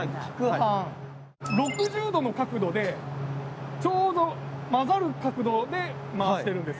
６０度の角度でちょうど混ざる角度で回してるんです。